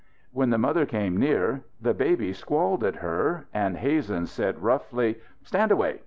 When the mother came near the baby squalled at her, and Hazen said roughly: "Stand away!